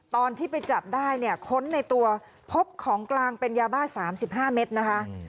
ตอนที่ไปจับได้เนี่ยค้นในตัวพบของกลางเป็นยาบ้า๓๕เมตรนะคะ